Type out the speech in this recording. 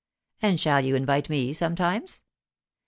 'And shall you invite me sometimes?